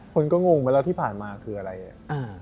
คนก็งงไปแล้วที่ผ่านมาคืออะไรอ่ะ